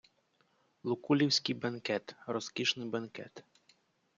Лукуллівський бенкет - розкішний бенкет